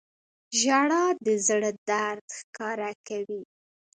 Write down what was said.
• ژړا د زړه درد ښکاره کوي.